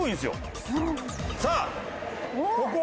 さあここ。